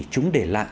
chúng để lại